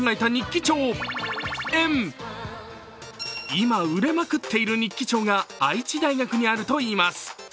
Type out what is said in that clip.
今、売れまくっている日記帳が愛知大学にあるといいます